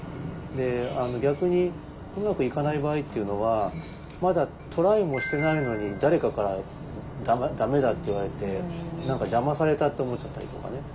逆にうまくいかない場合っていうのはまだトライもしてないのに誰かから駄目だって言われて何か邪魔されたと思っちゃったりとかね。